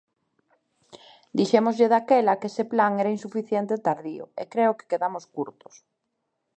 Dixémoslle daquela que ese plan era insuficiente e tardío, e creo que quedamos curtos.